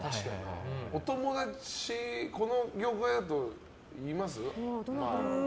お友達、この業界だと言えます？